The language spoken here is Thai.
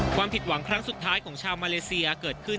ความถิดหวังครั้งสุดท้ายของชาวมาเลเซีย